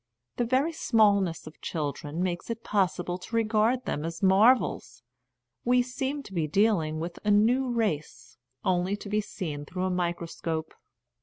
The very smallness of children makes it possible to regard them as marvels ; we seem to be dealing with a new race, only to [52 J A Defence of Baby Worship be seen through a microscope.